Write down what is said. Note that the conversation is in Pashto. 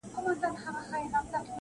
• دا تر پښو لاندي قبرونه -